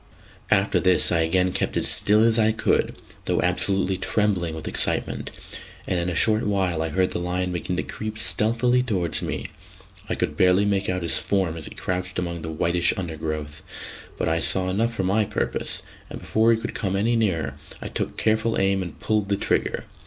After this I again kept as still as I could, though absolutely trembling with excitement; and in a short while I heard the lion begin to creep stealthily towards me. I could barely make out his form as he crouched among the whitish undergrowth; but I saw enough for my purpose, and before he could come any nearer, I took careful aim and pulled the trigger.